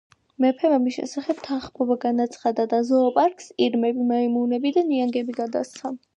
მეფემ ამის შესახებ თანხმობა განაცხადა და ზოოპარკს ირმები, მაიმუნები და ნიანგები გადასცა.